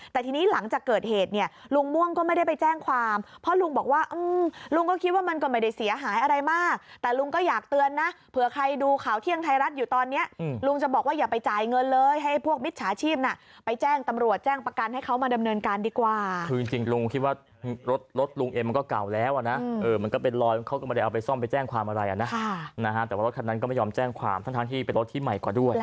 แต่ทีนี้หลังจากเกิดเหตุเนี่ยลุงม่วงก็ไม่ได้ไปแจ้งความเพราะลุงบอกว่าอืมลุงก็คิดว่ามันก็ไม่ได้เสียหายอะไรมากแต่ลุงก็อยากเตือนนะเผื่อใครดูข่าวเที่ยงไทยรัฐอยู่ตอนเนี้ยลุงจะบอกว่าอย่าไปจ่ายเงินเลยให้พวกมิจฉาชีพน่ะไปแจ้งตำรวจแจ้งประกันให้เขามาดำเนินการดีกว่าคือจริงลุงคิ